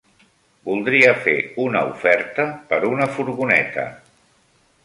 Voldria fer una oferta per una furgoneta.